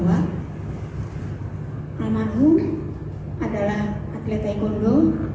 pertama almarhum adalah atleta taekwondo